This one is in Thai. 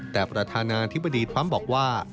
แต่ประธานาธิบดีทรัมป์บอกว่า